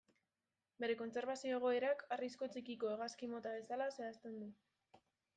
Bere kontserbazio egoerak, arrisku txikiko hegazti mota bezala zehazten du.